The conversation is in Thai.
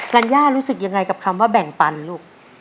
ัญญารู้สึกยังไงกับคำว่าแบ่งปันลูก